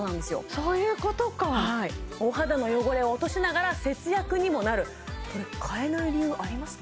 そういうことかはいお肌の汚れを落としながら節約にもなるこれ変えない理由ありますか？